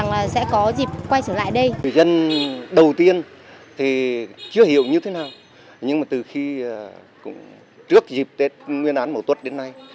người dân đầu tiên thì chưa hiểu như thế nào nhưng mà từ khi trước dịp tết nguyên án màu tuất đến nay